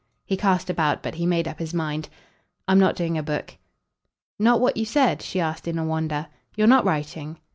He cast about, but he made up his mind. "I'm not doing a book." "Not what you said?" she asked in a wonder. "You're not writing?"